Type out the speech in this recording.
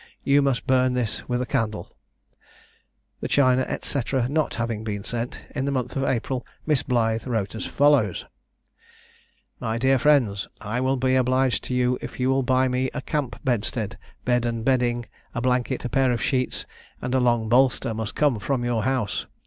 You must burn this with a candle." The china, &c., not having been sent, in the month of April Miss Blythe wrote as follows: "My dear Friends. _I will be obliged to you if you will buy me a camp bedstead, bed and bedding, a blanket, a pair of sheets, and a long bolster must come from your house.